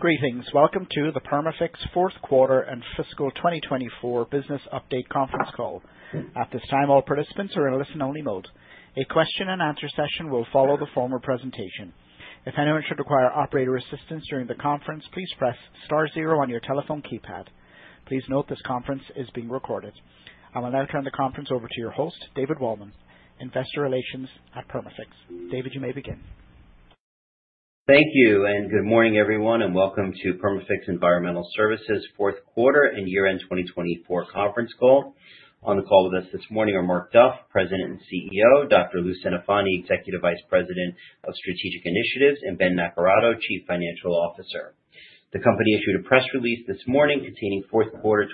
Greetings. Welcome to the Perma-Fix Q4 and Fiscal 2024 Business Update Conference Call. At this time, all participants are in listen-only mode. A question and answer session will follow the former presentation. If anyone should require operator assistance during the conference, please press star zero on your telephone keypad. Please note this conference is being recorded. I will now turn the conference over to your host, David Waldman, Investor Relations at Perma-Fix. David, you may begin. Thank you and good morning, everyone and welcome to Perma-Fix Environmental Services Q4 and Year End 2024 Conference Call. On the call with us this morning are Mark Duff, President and CEO, Dr. Louis Centofanti, Executive Vice President of Strategic Initiatives, and Ben Naccarato, Chief Financial Officer. The company issued a press release this morning containing Q4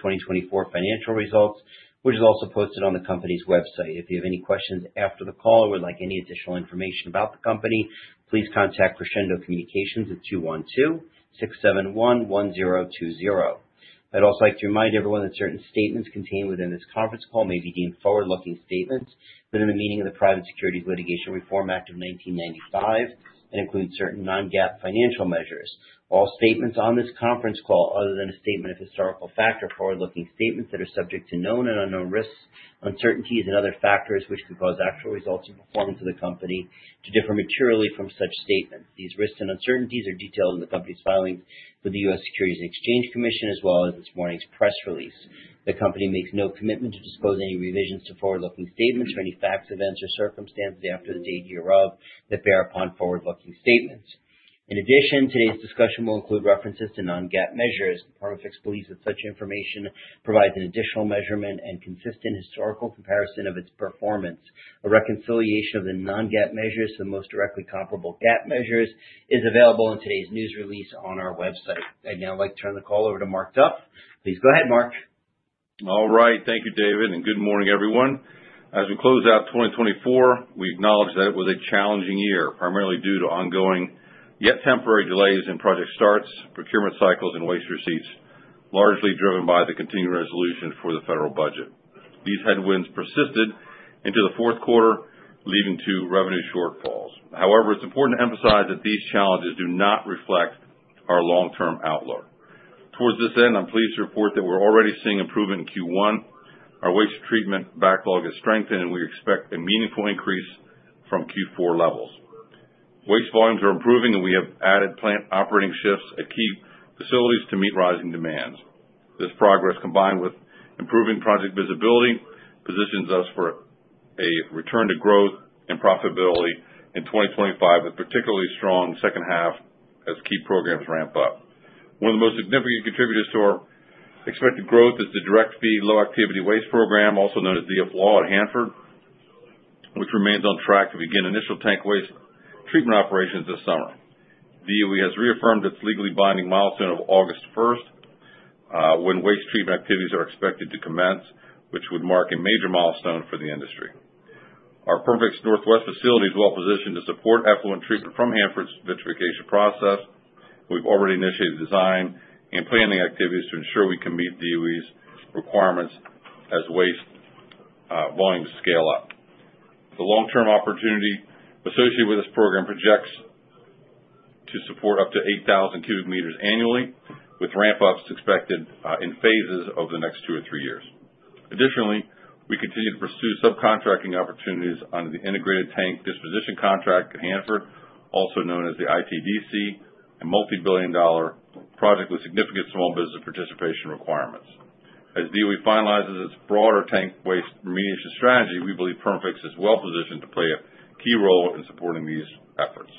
2024 financial results which is also posted on the company's website. If you have any questions after the call or would like any additional information about the company, please contact Crescendo Communications at 212-671-1020. I'd also like to remind everyone that certain statements contained within this conference call may be deemed forward-looking statements within the meaning of the Private Securities Litigation Reform Act of 1995 and include certain non-GAAP financial measures. All statements on this conference call, other than a statement of historical fact, are forward-looking statements that are subject to known and unknown risks, uncertainties, and other factors which could cause actual results and performance of the company to differ materially from such statements. These risks and uncertainties are detailed in the company's filings with the U.S. Securities and Exchange Commission, as well as this morning's press release. The company makes no commitment to disclose any revisions to forward-looking statements or any facts, events, or circumstances after the date hereof that bear upon forward-looking statements. In addition, today's discussion will include references to non-GAAP measures. Perma-Fix believes that such information provides an additional measurement and consistent historical comparison of its performance. A reconciliation of the non-GAAP measures to the most directly comparable GAAP measures is available in today's news release on our website. I'd now like to turn the call over to Mark Duff. Please go ahead, Marc. All right. Thank you, David, and good morning, everyone. As we close out 2024, we acknowledge that it was a challenging year, primarily due to ongoing yet temporary delays in project starts, procurement cycles, and waste receipts, largely driven by the continuing resolution for the federal budget. These headwinds persisted into the Q4, leading to revenue shortfalls. However, it's important to emphasize that these challenges do not reflect our long-term outlook. Towards this end, I'm pleased to report that we're already seeing improvement in Q1. Our waste treatment backlog has strengthened, and we expect a meaningful increase from Q4 levels. Waste volumes are improving, and we have added plant operating shifts at key facilities to meet rising demands. This progress, combined with improving project visibility, positions us for a return to growth and profitability in 2025, with particularly strong second half as key programs ramp up. One of the most significant contributors to our expected growth is the Direct Feed Low-Activity Waste program, also known as DFLAW at Hanford, which remains on track to begin initial tank waste treatment operations this summer. DOE has reaffirmed its legally binding milestone of August 1, when waste treatment activities are expected to commence, which would mark a major milestone for the industry. Our Perma-Fix Northwest facility is well positioned to support effluent treatment from Hanford's vitrification process. We've already initiated design and planning activities to ensure we can meet DOE's requirements as waste volumes scale up. The long-term opportunity associated with this program projects to support up to 8,000 cubic meters annually, with ramp-ups expected in phases over the next 2 or 3 years. Additionally, we continue to pursue subcontracting opportunities under the Integrated Tank Disposition Contract at Hanford, also known as the ITDC, a multi-billion dollar project with significant small business participation requirements. As DOE finalizes its broader tank waste remediation strategy, we believe Perma-Fix is well positioned to play a key role in supporting these efforts.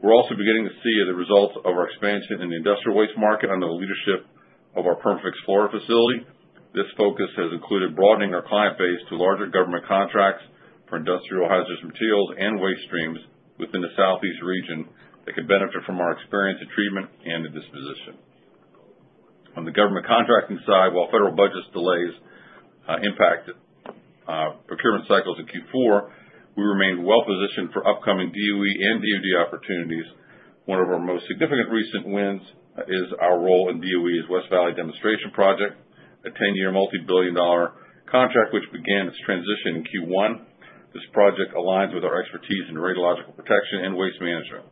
We're also beginning to see the results of our expansion in the industrial waste market under the leadership of our Perma-Fix Florida facility. This focus has included broadening our client base to larger government contracts for industrial hazardous materials and waste streams within the Southeast region that could benefit from our experience in treatment and disposition. On the government contracting side, while federal budget delays impacted procurement cycles in Q4, we remain well positioned for upcoming DOE and DOD opportunities. One of our most significant recent wins is our role in DOE's West Valley Demonstration Project, a 10-year multi-billion dollar contract which began its transition in Q1. This project aligns with our expertise in radiological protection and waste management.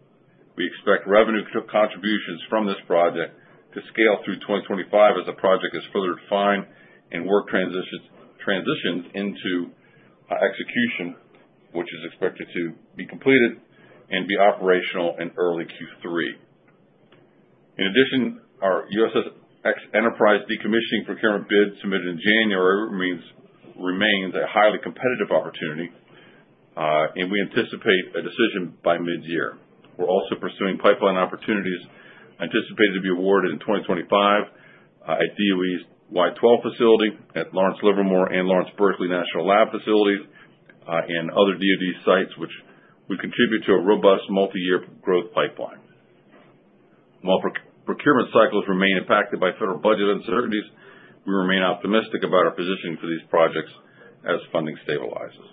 We expect revenue contributions from this project to scale through 2025 as the project is further defined and work transitions into execution, which is expected to be completed and be operational in early Q3. In addition, our USS Enterprise decommissioning procurement bid submitted in January remains a highly competitive opportunity, and we anticipate a decision by mid-year. We're also pursuing pipeline opportunities anticipated to be awarded in 2025 at DOE's Y-12 facility, at Lawrence Livermore and Lawrence Berkeley National Lab facilities, and other DOD sites, which would contribute to a robust multi-year growth pipeline. While procurement cycles remain impacted by federal budget uncertainties, we remain optimistic about our positioning for these projects as funding stabilizes.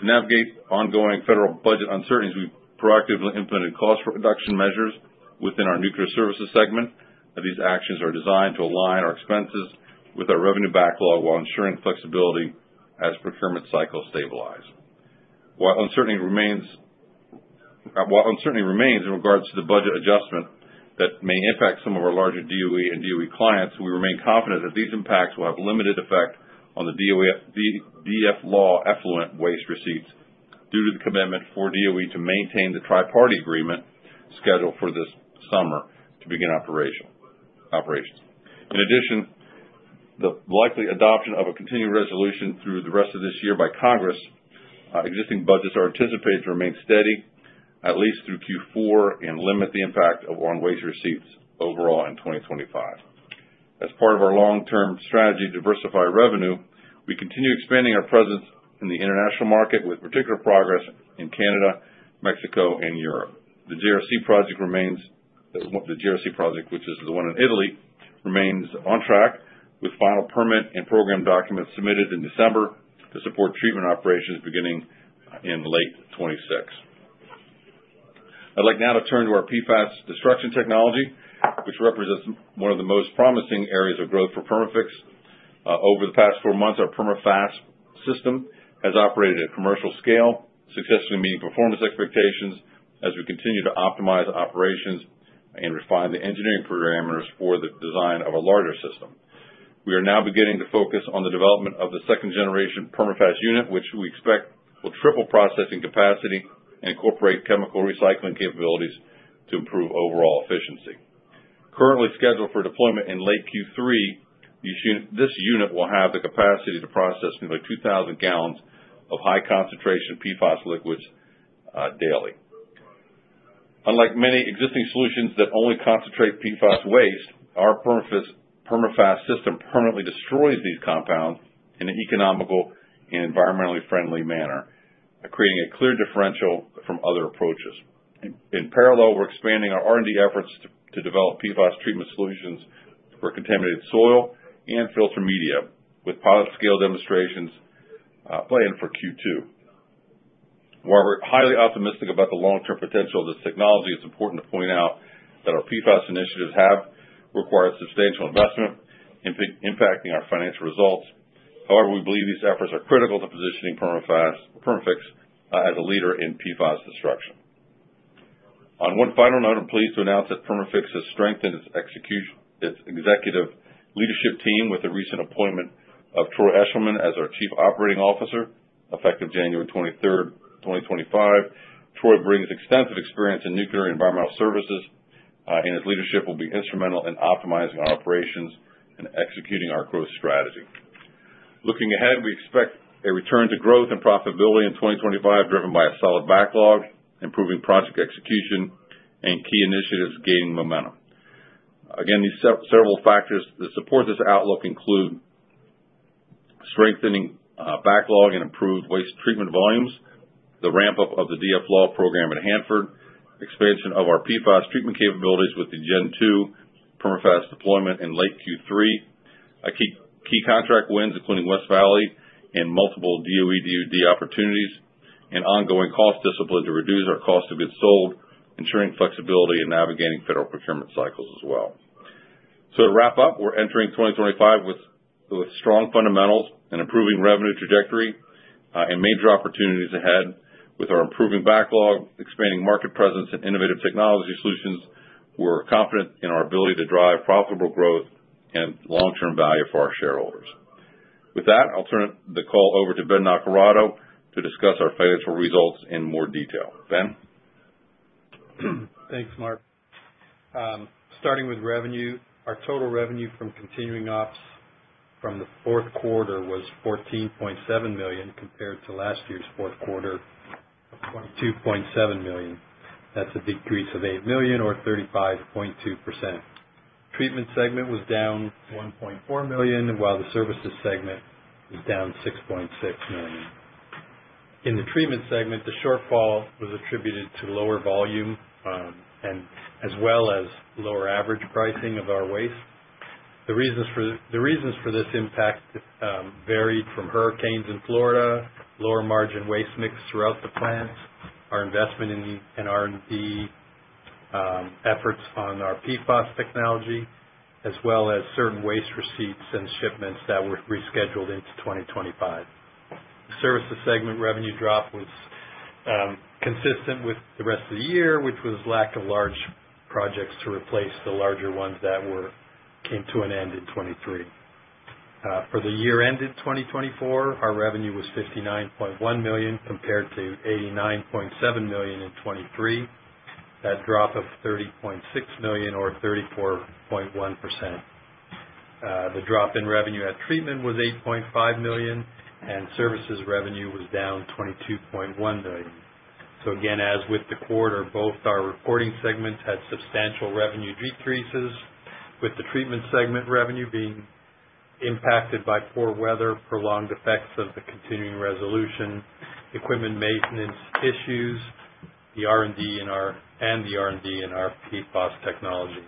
To navigate ongoing federal budget uncertainties, we've proactively implemented cost reduction measures within our nuclear services segment. These actions are designed to align our expenses with our revenue backlog while ensuring flexibility as procurement cycles stabilize. While uncertainty remains in regards to the budget adjustment that may impact some of our larger DOE and DOD clients, we remain confident that these impacts will have limited effect on the DFLAW effluent waste receipts due to the commitment for DOE to maintain the Tri-Party Agreement scheduled for this summer to begin operations. In addition, with the likely adoption of a continuing resolution through the rest of this year by Congress, existing budgets are anticipated to remain steady at least through Q4 and limit the impact on waste receipts overall in 2025. As part of our long-term strategy to diversify revenue, we continue expanding our presence in the international market with particular progress in Canada, Mexico, and Europe. The JRC project, which is the one in Italy, remains on track with final permit and program documents submitted in December to support treatment operations beginning in late 26. I'd like now to turn to our PFAS destruction technology, which represents one of the most promising areas of growth for Perma-Fix. Over the past 4 months, our Perma-FAS system has operated at commercial scale, successfully meeting performance expectations as we continue to optimize operations and refine the engineering parameters for the design of a larger system. We are now beginning to focus on the development of the second-generation Perma-FAS unit, which we expect will triple processing capacity and incorporate chemical recycling capabilities to improve overall efficiency. Currently scheduled for deployment in late Q3, this unit will have the capacity to process nearly 2,000 gallons of high-concentration PFAS liquids daily. Unlike many existing solutions that only concentrate PFAS waste, our Perma-FAS system permanently destroys these compounds in an economical and environmentally friendly manner, creating a clear differential from other approaches. In parallel, we're expanding our R&D efforts to develop PFAS treatment solutions for contaminated soil and filter media, with pilot scale demonstrations planned for Q2. While we're highly optimistic about the long-term potential of this technology, it's important to point out that our PFAS initiatives have required substantial investment, impacting our financial results. However, we believe these efforts are critical to positioning Perma-FAS, Perma-Fix as a leader in PFAS destruction. On one final note, I'm pleased to announce that Perma-Fix has strengthened its executive leadership team with the recent appointment of Troy Eshelman as our Chief Operating Officer, effective January 23, 2025. Troy brings extensive experience in nuclear and environmental services, and his leadership will be instrumental in optimizing our operations and executing our growth strategy. Looking ahead, we expect a return to growth and profitability in 2025, driven by a solid backlog, improving project execution, and key initiatives gaining momentum. Again, these several factors that support this outlook include strengthening backlog and improved waste treatment volumes, the ramp-up of the DFLAW program at Hanford, expansion of our PFAS treatment capabilities with the Gen2 Perma-FAS deployment in late Q3, key contract wins including West Valley and multiple DOE/DOD opportunities, and ongoing cost discipline to reduce our cost of goods sold, ensuring flexibility and navigating federal procurement cycles as well. To wrap up, we're entering 2025 with strong fundamentals and improving revenue trajectory and major opportunities ahead with our improving backlog, expanding market presence, and innovative technology solutions. We're confident in our ability to drive profitable growth and long-term value for our shareholders. With that, I'll turn the call over to Ben Naccarato to discuss our financial results in more detail. Ben? Thanks, Marc. Starting with revenue, our total revenue from continuing ops from the Q4 was $14.7 million compared to last year's Q4 of $22.7 million. That's a decrease of $8 million or 35.2%. Treatment segment was down $1.4 million, while the services segment was down $6.6 million. In the treatment segment, the shortfall was attributed to lower volume as well as lower average pricing of our waste. The reasons for this impact varied from hurricanes in Florida, lower margin waste mix throughout the plants, our investment in R&D efforts on our PFAS technology, as well as certain waste receipts and shipments that were rescheduled into 2025. The services segment revenue drop was consistent with the rest of the year, which was lack of large projects to replace the larger ones that came to an end in 23. For the year ended 2024, our revenue was $59.1 million compared to $89.7 million in 23, that drop of $30.6 million or 34.1%. The drop in revenue at treatment was $8.5 million, and services revenue was down $22.1 million. Again, as with the quarter, both our reporting segments had substantial revenue decreases, with the treatment segment revenue being impacted by poor weather, prolonged effects of the continuing resolution, equipment maintenance issues, and the R&D and our PFAS technology.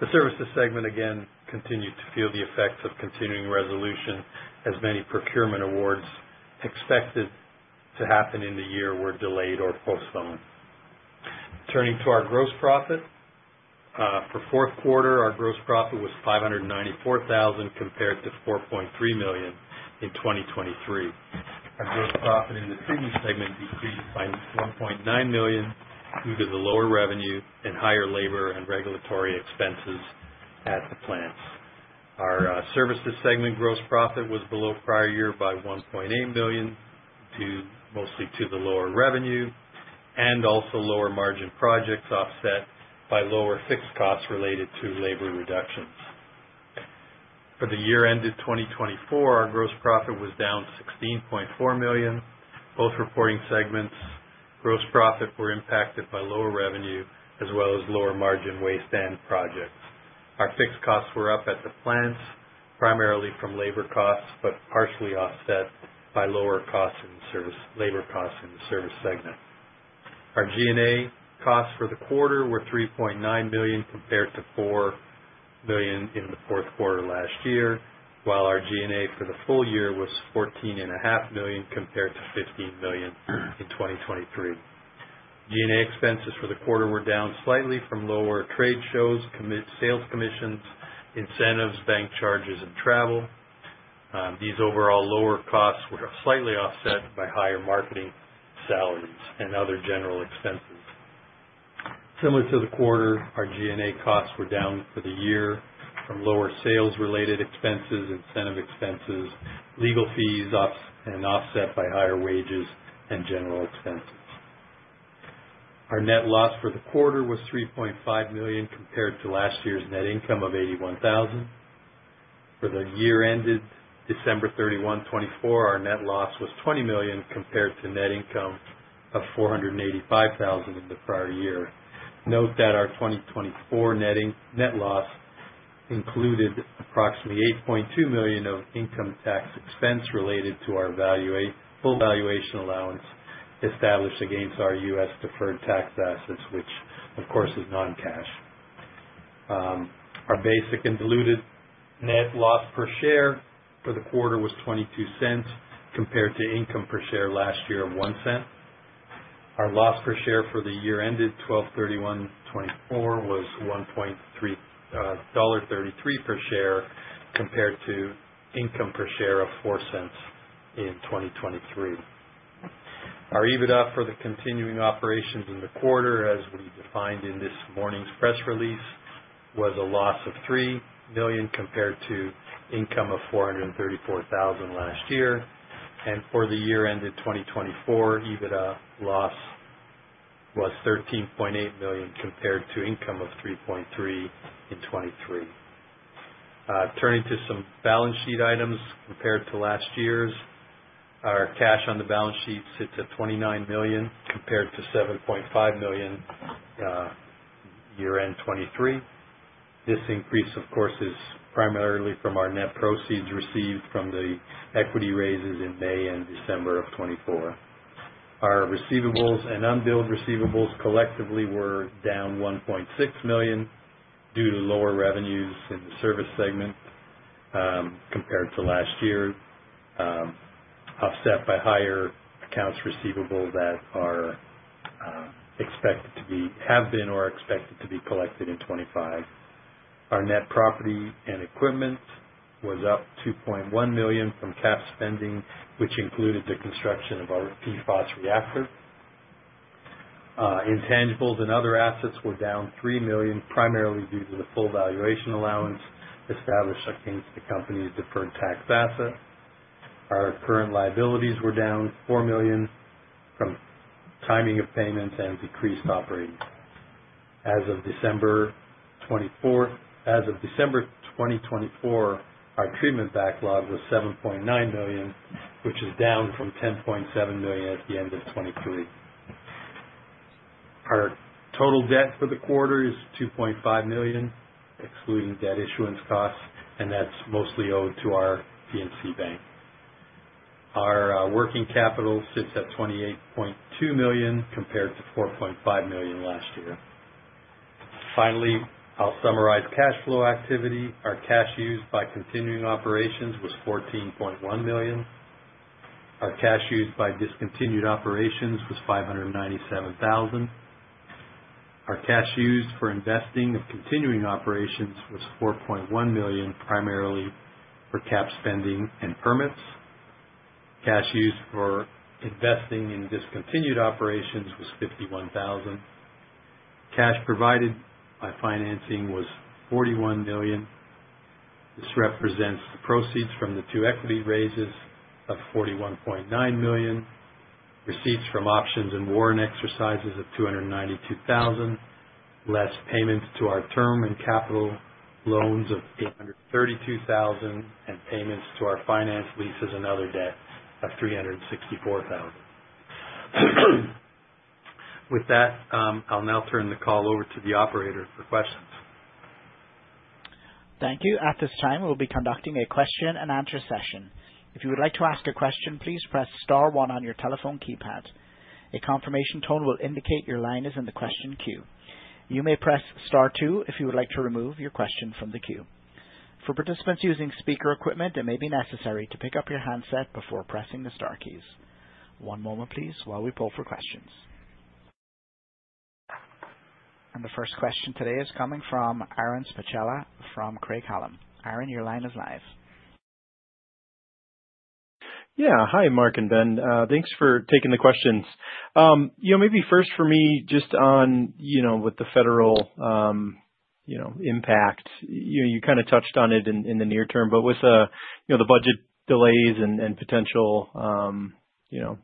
The services segment, again, continued to feel the effects of continuing resolution as many procurement awards expected to happen in the year were delayed or postponed. Turning to our gross profit, for Q4, our gross profit was $594,000 compared to $4.3 million in 2023. Our gross profit in the treatment segment decreased by $1.9 million due to the lower revenue and higher labor and regulatory expenses at the plants. Our services segment gross profit was below prior year by $1.8 million, mostly due to the lower revenue and also lower margin projects offset by lower fixed costs related to labor reductions. For the year ended 2024, our gross profit was down $16.4 million. Both reporting segments' gross profit were impacted by lower revenue as well as lower margin waste and projects. Our fixed costs were up at the plants, primarily from labor costs, but partially offset by lower costs in the service labor costs in the service segment. Our G&A costs for the quarter were $3.9 million compared to $4 million in the Q4 last year, while our G&A for the full year was $14.5 million compared to $15 million in 2023. G&A expenses for the quarter were down slightly from lower trade shows, sales commissions, incentives, bank charges, and travel. These overall lower costs were slightly offset by higher marketing salaries and other general expenses. Similar to the quarter, our G&A costs were down for the year from lower sales-related expenses, incentive expenses, legal fees, and offset by higher wages and general expenses. Our net loss for the quarter was $3.5 million compared to last year's net income of $81,000. For the year ended December 31, 2024, our net loss was $20 million compared to net income of $485,000 in the prior year. Note that our 2024 net loss included approximately $8.2 million of income tax expense related to our full valuation allowance established against our U.S. deferred tax assets, which, of course, is non-cash. Our basic and diluted net loss per share for the quarter was $0.22 compared to income per share last year of $0.01. Our loss per share for the year ended 12/31/24 was $1.33 per share compared to income per share of $0.04 in 2023. Our EBITDA for the continuing operations in the quarter, as we defined in this morning's press release, was a loss of $3 million compared to income of $434,000 last year. For the year ended 2024, EBITDA loss was $13.8 million compared to income of $3.3 million in 23. Turning to some balance sheet items compared to last year's, our cash on the balance sheet sits at $29 million compared to $7.5 million year-end 2023. This increase, of course, is primarily from our net proceeds received from the equity raises in May and December of 24. Our receivables and unbilled receivables collectively were down $1.6 million due to lower revenues in the service segment compared to last year, offset by higher accounts receivable that have been or are expected to be collected in 2025. Our net property and equipment was up $2.1 million from cap spending, which included the construction of our PFAS reactor. Intangibles and other assets were down $3 million, primarily due to the full valuation allowance established against the company's deferred tax asset. Our current liabilities were down $4 million from timing of payments and decreased operating costs. As of December 2024, our treatment backlog was $7.9 million, which is down from $10.7 million at the end of 23. Our total debt for the quarter is $2.5 million, excluding debt issuance costs, and that's mostly owed to our PNC Bank. Our working capital sits at $28.2 million compared to $4.5 million last year. Finally, I'll summarize cash flow activity. Our cash used by continuing operations was $14.1 million. Our cash used by discontinued operations was $597,000. Our cash used for investing of continuing operations was $4.1 million, primarily for cap spending and permits. Cash used for investing in discontinued operations was $51,000. Cash provided by financing was $41 million. This represents proceeds from the 2 equity raises of $41.9 million, receipts from options and warrant exercises of $292,000, less payments to our term and capital loans of $832,000, and payments to our finance leases and other debt of $364,000. With that, I'll now turn the call over to the operator for questions. Thank you. At this time, we'll be conducting a question and answer session. If you would like to ask a question, please press Star 1 on your telephone keypad. A confirmation tone will indicate your line is in the question queue. You may press Star 2 if you would like to remove your question from the queue. For participants using speaker equipment, it may be necessary to pick up your handset before pressing the Star keys. One moment, please, while we pull for questions. The first question today is coming from Aaron Spychalla from Craig-Hallum. Aaron, your line is live. Yeah. Hi, Marc and Ben. Thanks for taking the questions. Maybe first for me, just on with the federal impact, you kind of touched on it in the near term, but with the budget delays and potential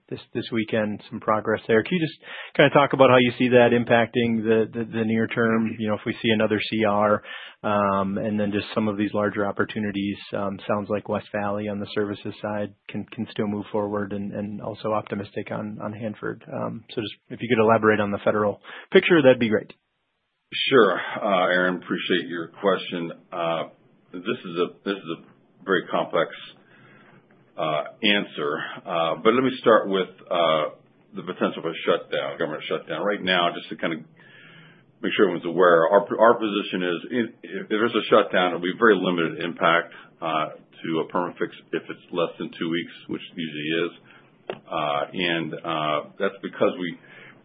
this weekend, some progress there. Can you just kind of talk about how you see that impacting the near term if we see another CR and then just some of these larger opportunities? Sounds like West Valley on the services side can still move forward and also optimistic on Hanford. Just if you could elaborate on the federal picture, that'd be great. Sure. Aaron, appreciate your question. This is a very complex answer, but let me start with the potential of a shutdown, government shutdown. Right now, just to kind of make sure everyone's aware, our position is if there's a shutdown, it'll be very limited impact to Perma-Fix if it's less than 2 weeks, which it usually is. That's because we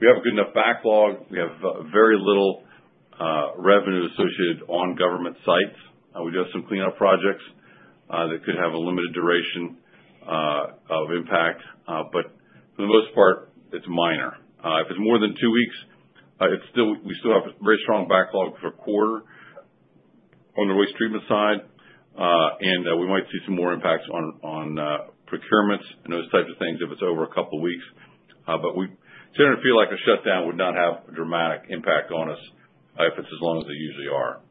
have a good enough backlog. We have very little revenue associated on government sites. We do have some cleanup projects that could have a limited duration of impact, but for the most part, it's minor. If it's more than 2 weeks, we still have a very strong backlog for a quarter on the waste treatment side, and we might see some more impacts on procurements and those types of things if it's over a couple of weeks. We generally feel like a shutdown would not have a dramatic impact on us if it's as long as they usually are.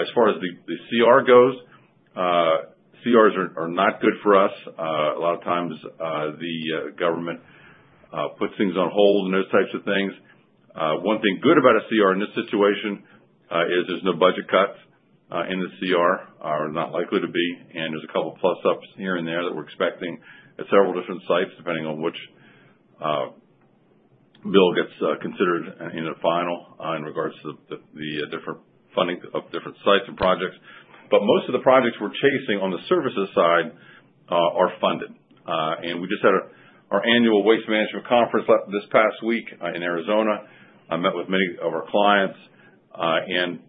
As far as the CR goes, CRs are not good for us. A lot of times, the government puts things on hold and those types of things. One thing good about a CR in this situation is there's no budget cuts in the CR or not likely to be. There's a couple of plus-ups here and there that we're expecting at several different sites depending on which bill gets considered in the final in regards to the different funding of different sites and projects. Most of the projects we're chasing on the services side are funded. We just had our annual waste management conference this past week in Arizona. I met with many of our clients, and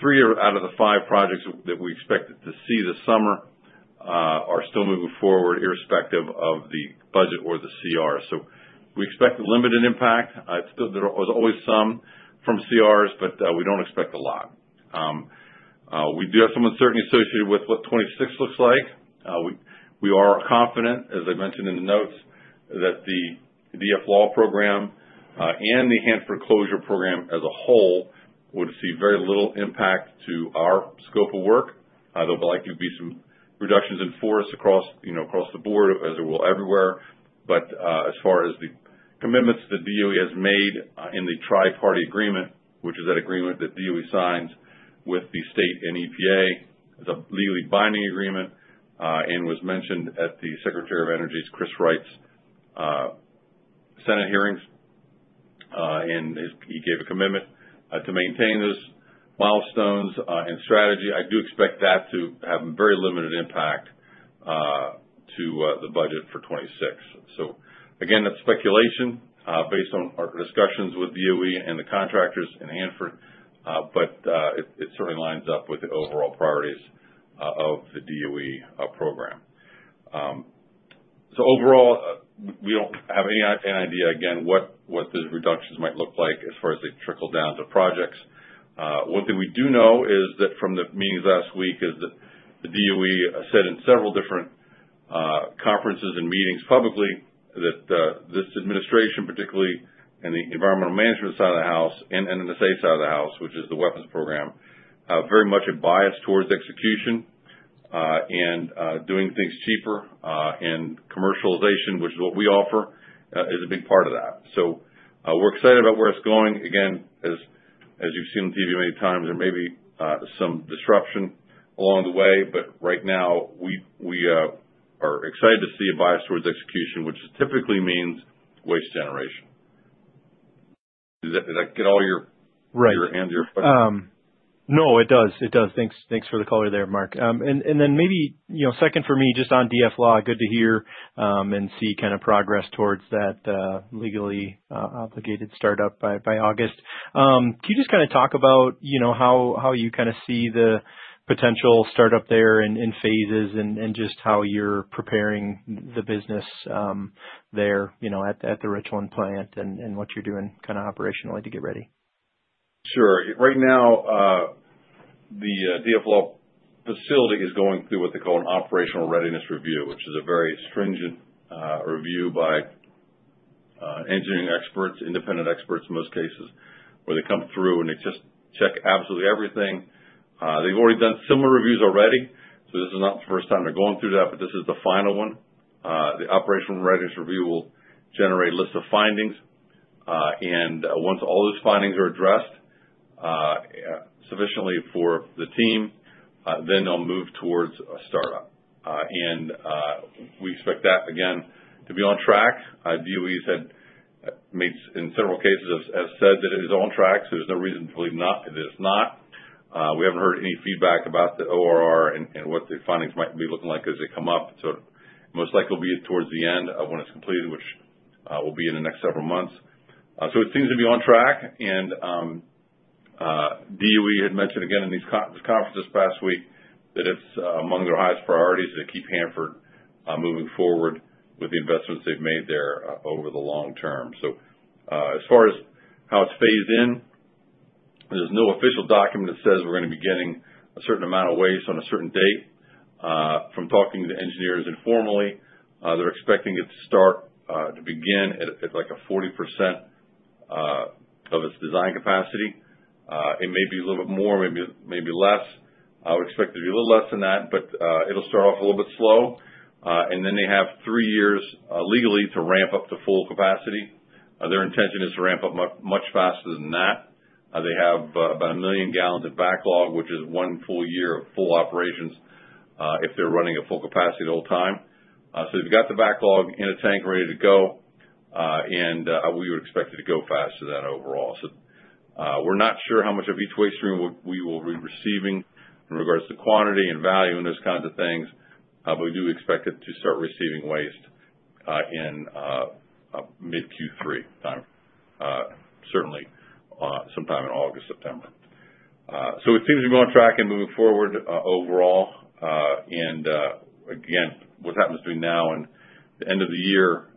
3 out of the 5 projects that we expected to see this summer are still moving forward irrespective of the budget or the CR. We expect a limited impact. There was always some from CRs, but we do not expect a lot. We do have some uncertainty associated with what 26 looks like. We are confident, as I mentioned in the notes, that the DFLAW program and the Hanford Closure Program as a whole would see very little impact to our scope of work. There will likely be some reductions in force across the board, as it will everywhere. As far as the commitments the DOE has made in the Tri-party Agreement, which is that agreement that DOE signs with the state and EPA, it is a legally binding agreement and was mentioned at the Secretary of Energy Chris Wright's Senate hearings. He gave a commitment to maintain those milestones and strategy. I do expect that to have very limited impact to the budget for 2026. Again, that's speculation based on our discussions with DOE and the contractors in Hanford, but it certainly lines up with the overall priorities of the DOE program. Overall, we don't have any idea, again, what those reductions might look like as far as they trickle down to projects. One thing we do know from the meetings last week is that the DOE said in several different conferences and meetings publicly that this administration, particularly in the environmental management side of the house and NNSA side of the house, which is the weapons program, has very much a bias towards execution and doing things cheaper. Commercialization, which is what we offer, is a big part of that. We're excited about where it's going. Again, as you've seen on TV many times, there may be some disruption along the way, but right now, we are excited to see a bias towards execution, which typically means waste generation. Did I get all your answer? Right. No, it does. It does. Thanks for the color there, Marc. Maybe second for me, just on DFLAW, good to hear and see kind of progress towards that legally obligated startup by August. Can you just kind of talk about how you kind of see the potential startup there in phases and just how you're preparing the business there at the Richland plant and what you're doing kind of operationally to get ready? Sure. Right now, the DFLAW facility is going through what they call an Operational Readiness Review, which is a very stringent review by engineering experts, independent experts in most cases, where they come through and they just check absolutely everything. They've already done similar reviews already, so this is not the first time they're going through that, but this is the final one. The Operational Readiness Review will generate a list of findings. Once all those findings are addressed sufficiently for the team, they'll move towards a startup. We expect that, again, to be on track. DOE has made, in several cases, statements that it is on track, so there's no reason to believe that it's not. We haven't heard any feedback about the ORR and what the findings might be looking like as they come up. Most likely it'll be towards the end of when it's completed, which will be in the next several months. It seems to be on track. DOE had mentioned again in this conference this past week that it's among their highest priorities to keep Hanford moving forward with the investments they've made there over the long term. As far as how it's phased in, there's no official document that says we're going to be getting a certain amount of waste on a certain date. From talking to engineers informally, they're expecting it to start to begin at like 40% of its design capacity. It may be a little bit more, maybe less. I would expect it to be a little less than that, but it'll start off a little bit slow. They have 3 years legally to ramp up to full capacity. Their intention is to ramp up much faster than that. They have about a million gallons of backlog, which is one full year of full operations if they're running at full capacity the whole time. They have the backlog in a tank ready to go, and we would expect it to go faster than that overall. We're not sure how much of each waste stream we will be receiving in regards to quantity and value and those kinds of things, but we do expect to start receiving waste in mid-Q3 time, certainly sometime in August, September. It seems to be on track and moving forward overall. Again, what's happening between now and the end of the year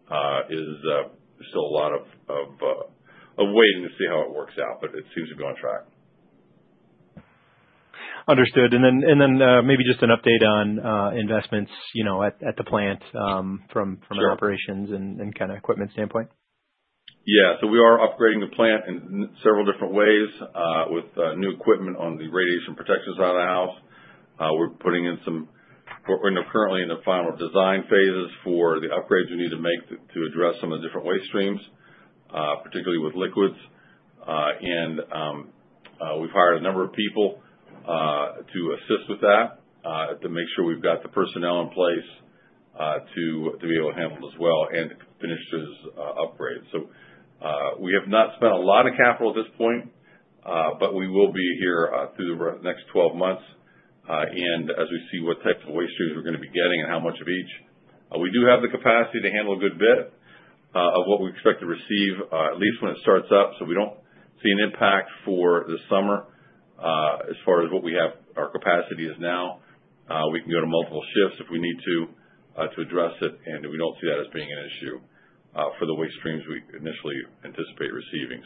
is still a lot of waiting to see how it works out, but it seems to be on track. Understood. Maybe just an update on investments at the plant from an operations and kind of equipment standpoint. Yeah. We are upgrading the plant in several different ways with new equipment on the radiation protection side of the house. We're putting in some, we're currently in the final design phases for the upgrades we need to make to address some of the different waste streams, particularly with liquids. We've hired a number of people to assist with that to make sure we've got the personnel in place to be able to handle it as well and finish those upgrades. We have not spent a lot of capital at this point, but we will be here through the next 12 months. As we see what types of waste streams we're going to be getting and how much of each, we do have the capacity to handle a good bit of what we expect to receive, at least when it starts up. We don't see an impact for the summer as far as what our capacity is now. We can go to multiple shifts if we need to address it, and we don't see that as being an issue for the waste streams we initially anticipate receiving.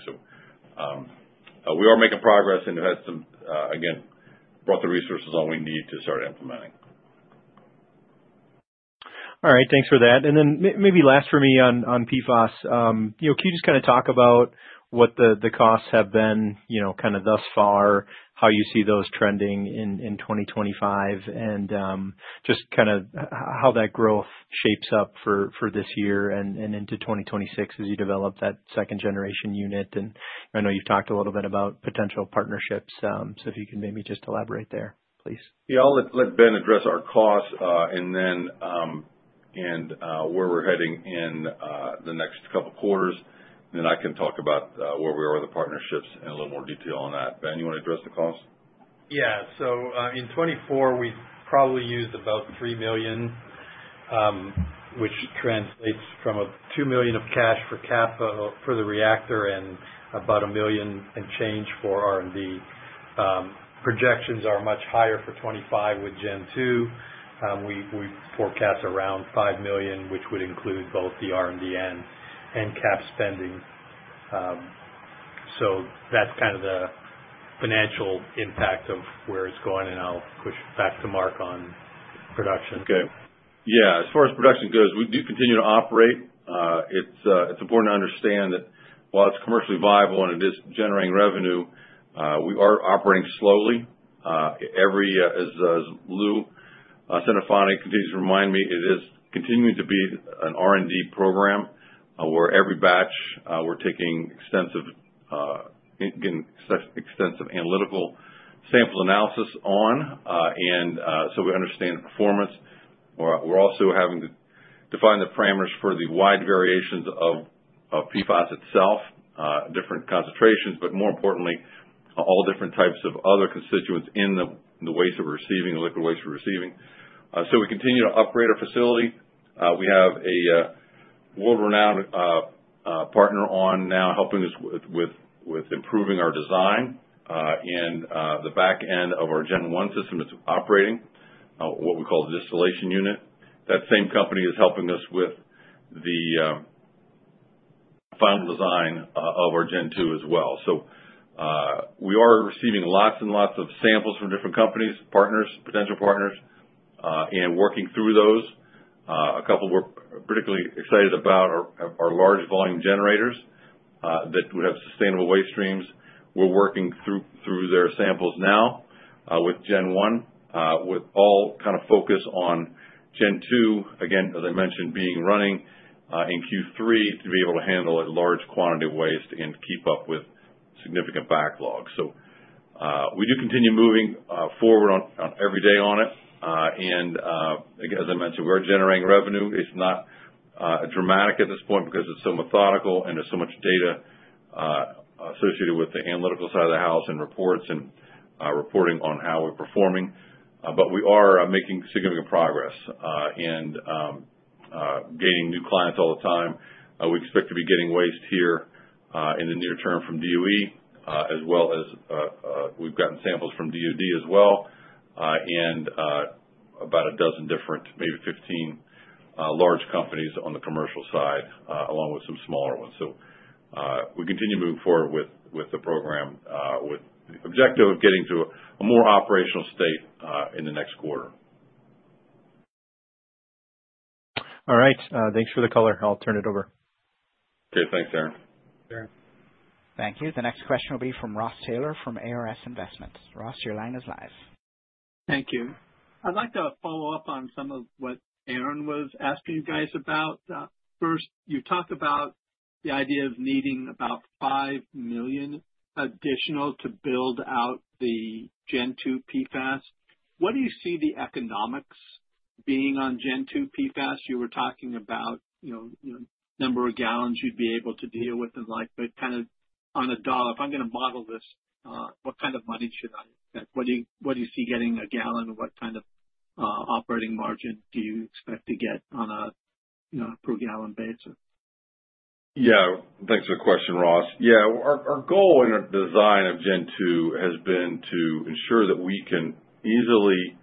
We are making progress and have had some, again, brought the resources all we need to start implementing. All right. Thanks for that. Maybe last for me on PFAS, can you just kind of talk about what the costs have been kind of thus far, how you see those trending in 2025, and just kind of how that growth shapes up for this year and into 2026 as you develop that second-generation unit? I know you've talked a little bit about potential partnerships, so if you can maybe just elaborate there, please. Yeah. I'll let Ben address our costs and where we're heading in the next couple of quarters. I can talk about where we are with the partnerships in a little more detail on that. Ben, you want to address the costs? Yeah. In 24, we probably used about $3 million, which translates from $2 million of cash for CapEx for the reactor and about $1 million and change for R&D. Projections are much higher for 25 with Gen2. We forecast around $5 million, which would include both the R&D and CapEx spending. That is kind of the financial impact of where it is going, and I'll push back to Marc on production. Okay. Yeah. As far as production goes, we do continue to operate. It's important to understand that while it's commercially viable and it is generating revenue, we are operating slowly. As Lou Centofanti continues to remind me, it is continuing to be an R&D program where every batch we're taking extensive analytical sample analysis on. We understand the performance. We're also having to define the parameters for the wide variations of PFAS itself, different concentrations, but more importantly, all different types of other constituents in the waste that we're receiving, the liquid waste we're receiving. We continue to upgrade our facility. We have a world-renowned partner on now helping us with improving our design in the back end of our Gen 1 system that's operating, what we call the distillation unit. That same company is helping us with the final design of our Gen 2 as well. We are receiving lots and lots of samples from different companies, partners, potential partners, and working through those. A couple we're particularly excited about are large volume generators that would have sustainable waste streams. We're working through their samples now with Gen 1, with all kind of focus on Gen 2, again, as I mentioned, being running in Q3 to be able to handle a large quantity of waste and keep up with significant backlog. We do continue moving forward every day on it. Again, as I mentioned, we are generating revenue. It's not dramatic at this point because it's so methodical and there's so much data associated with the analytical side of the house and reports and reporting on how we're performing. We are making significant progress and gaining new clients all the time. We expect to be getting waste here in the near term from DOE, as well as we've gotten samples from DOD as well, and about a dozen different, maybe 15 large companies on the commercial side, along with some smaller ones. We continue moving forward with the program with the objective of getting to a more operational state in the next quarter. All right. Thanks for the color. I'll turn it over. Okay. Thanks, Aaron. Thank you. The next question will be from Ross Taylor from ARS Investment. Ross, your line is live. Thank you. I'd like to follow up on some of what Aaron was asking you guys about. First, you talked about the idea of needing about $5 million additional to build out the Gen 2 Perma-FAS. What do you see the economics being on Gen 2 Perma-FAS? You were talking about number of gallons you'd be able to deal with and like, but kind of on a dollar, if I'm going to model this, what kind of money should I expect? What do you see getting a gallon? What kind of operating margin do you expect to get on a per-gallon basis? Yeah. Thanks for the question, Ross. Yeah. Our goal in our design of Gen 2 has been to ensure that we can easily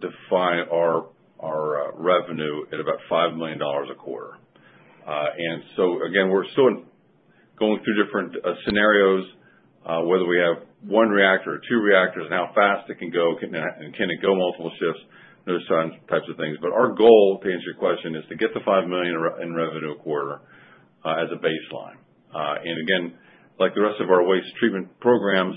define our revenue at about $5 million a quarter. Again, we're still going through different scenarios, whether we have one reactor or two reactors, and how fast it can go, and can it go multiple shifts, those types of things. Our goal, to answer your question, is to get to $5 million in revenue a quarter as a baseline. Like the rest of our waste treatment programs,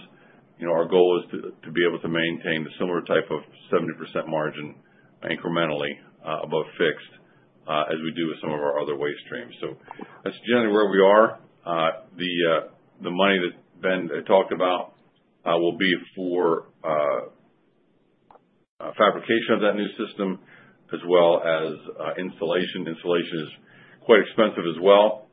our goal is to be able to maintain the similar type of 70% margin incrementally above fixed as we do with some of our other waste streams. That's generally where we are. The money that Ben talked about will be for fabrication of that new system as well as installation. Installation is quite expensive as well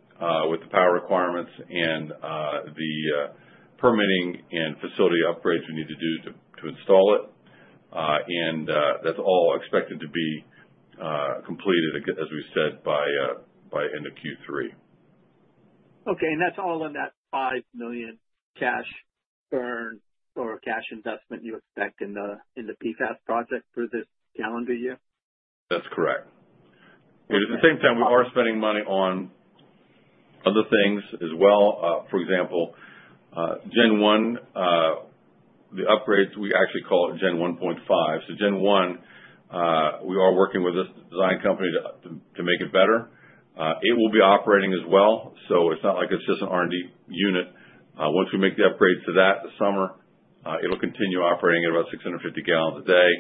with the power requirements and the permitting and facility upgrades we need to do to install it. That is all expected to be completed, as we said, by end of Q3. Okay. That is all in that $5 million cash burn or cash investment you expect in the PFAS project for this calendar year? That's correct. At the same time, we are spending money on other things as well. For example, Gen 1, the upgrades, we actually call it Gen 1.5. Gen 1, we are working with this design company to make it better. It will be operating as well. It's not like it's just an R&D unit. Once we make the upgrades to that this summer, it'll continue operating at about 650 gallons a day.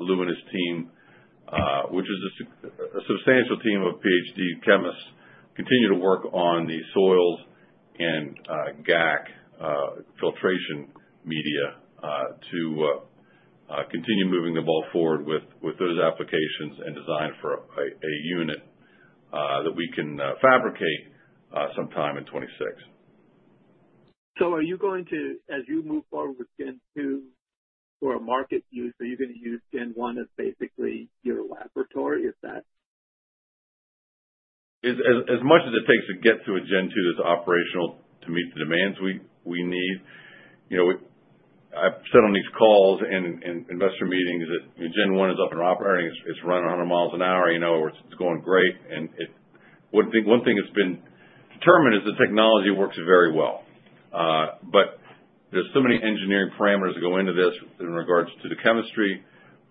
Lou and his team, which is a substantial team of PhD chemists, continue to work on the soils and GAC filtration media to continue moving the ball forward with those applications and design for a unit that we can fabricate sometime in 26. Are you going to, as you move forward with Gen 2 for a market use, are you going to use Gen 1 as basically your laboratory? As much as it takes to get to a Gen 2 that's operational to meet the demands we need, I've sat on these calls and investor meetings that Gen 1 is up and operating. It's running 100 miles an hour. It's going great. One thing that's been determined is the technology works very well. There are so many engineering parameters that go into this in regards to the chemistry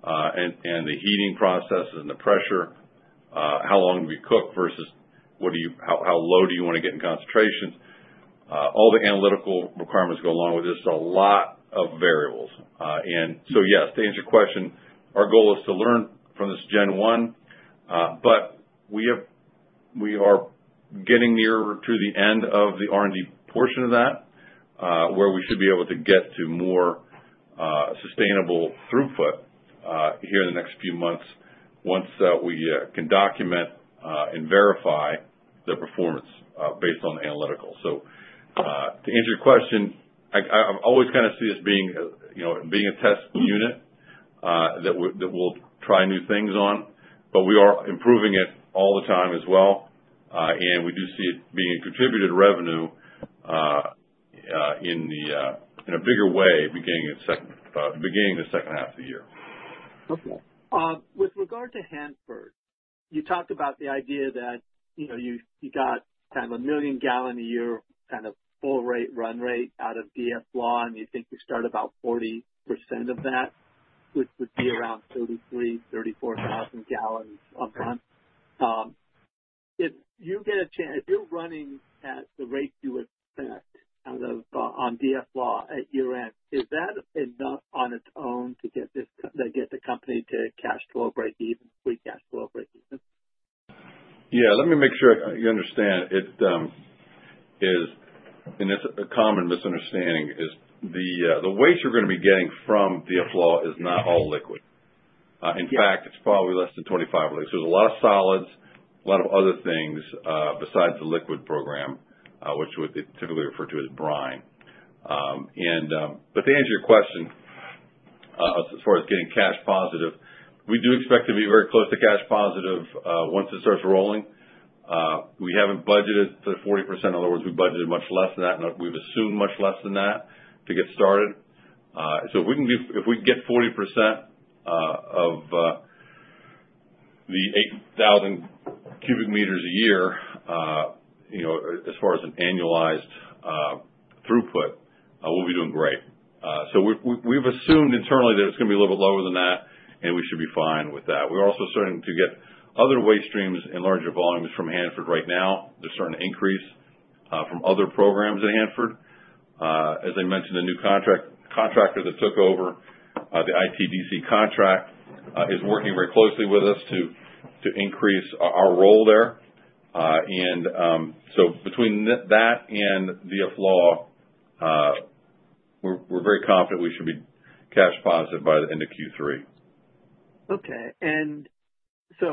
and the heating processes and the pressure, how long do we cook versus how low do you want to get in concentrations? All the analytical requirements go along with this. It's a lot of variables. Yes, to answer your question, our goal is to learn from this Gen 1, but we are getting nearer to the end of the R&D portion of that where we should be able to get to more sustainable throughput here in the next few months once we can document and verify the performance based on the analytical. To answer your question, I always kind of see this being a test unit that we'll try new things on, but we are improving it all the time as well. We do see it being a contributed revenue in a bigger way beginning the second half of the year. Okay. With regard to Hanford, you talked about the idea that you got kind of a million gallon a year kind of full-rate run rate out of DFLAW, and you think you start about 40% of that, which would be around 33,000, 34,000 gallons a month. If you get a chance, if you're running at the rate you expect on DFLAW at year-end, is that enough on its own to get the company to cash flow break even, pre-cash flow break even? Yeah. Let me make sure you understand. It's a common misunderstanding is the waste you're going to be getting from DFLAW is not all liquid. In fact, it's probably less than 25%. There's a lot of solids, a lot of other things besides the liquid program, which we typically refer to as brine. To answer your question as far as getting cash positive, we do expect to be very close to cash positive once it starts rolling. We haven't budgeted for 40%. In other words, we budgeted much less than that, and we've assumed much less than that to get started. If we can get 40% of the 8,000 cubic meters a year as far as an annualized throughput, we'll be doing great. We've assumed internally that it's going to be a little bit lower than that, and we should be fine with that. We're also starting to get other waste streams in larger volumes from Hanford right now. There's starting to increase from other programs at Hanford. As I mentioned, a new contractor that took over the ITDC contract is working very closely with us to increase our role there. Between that and DFLAW, we're very confident we should be cash positive by the end of Q3. Okay.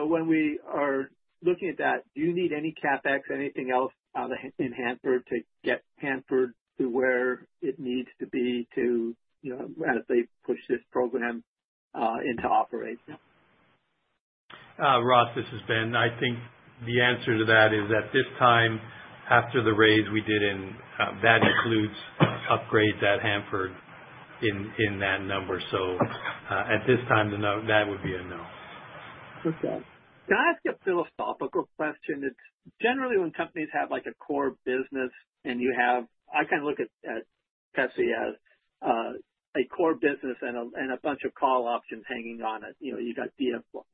When we are looking at that, do you need any CapEx, anything else out of Hanford to get Hanford to where it needs to be as they push this program into operation? Ross, this is Ben. I think the answer to that is at this time, after the raise we did in, that includes upgrade at Hanford in that number. At this time, that would be a no. Okay. Can I ask a philosophical question? It's generally when companies have a core business and you have, I kind of look at Pepsi as a core business and a bunch of call options hanging on it. You got DFLAW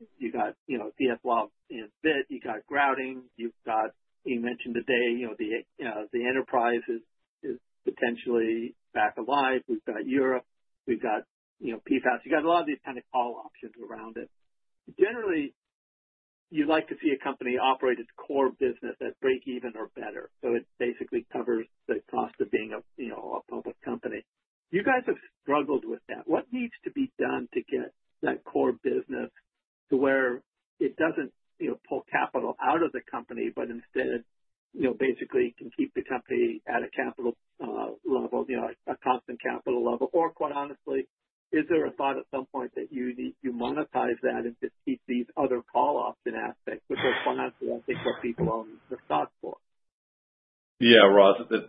and Vit. You got grouting. You mentioned today the enterprise is potentially back alive. We've got Europe. We've got PFAS. You got a lot of these kinds of call options around it. Generally, you'd like to see a company operate its core business at break-even or better. So it basically covers the cost of being a public company. You guys have struggled with that. What needs to be done to get that core business to where it doesn't pull capital out of the company, but instead basically can keep the company at a capital level, a constant capital level? Quite honestly, is there a thought at some point that you monetize that and just keep these other call option aspects? Because quite honestly, I think what people are thought for. Yeah, Ross, this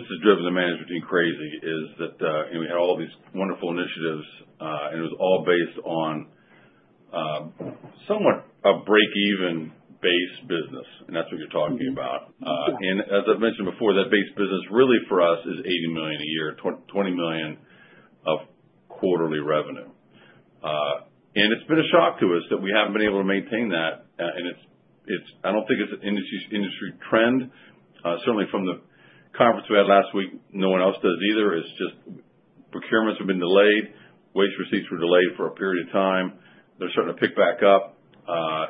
has driven the management team crazy is that we had all these wonderful initiatives, and it was all based on somewhat a break-even base business, and that's what you're talking about. As I've mentioned before, that base business really for us is $80 million a year, $20 million of quarterly revenue. It's been a shock to us that we haven't been able to maintain that. I don't think it's an industry trend. Certainly from the conference we had last week, no one else does either. It's just procurements have been delayed. Waste receipts were delayed for a period of time. They're starting to pick back up.